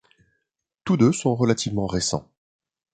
Tous deux sont relativement récents.